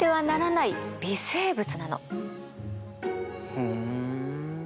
ふん。